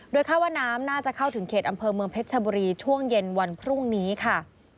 โดยค่าว่าน้ำน่าจะเข้าถึงเขตอำเภอเมืองเพชรชบุรีช่วงเย็นวันพรุ่งนี้ค่ะ